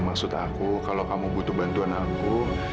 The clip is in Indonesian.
maksud aku kalau kamu butuh bantuan aku